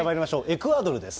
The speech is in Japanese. エクアドルです。